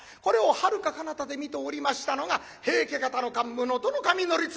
これをはるかかなたで見ておりましたのが平家方の桓武能登守教経。